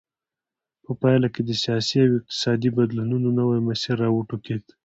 په پایله کې د سیاسي او اقتصادي بدلونونو نوی مسیر را وټوکېد.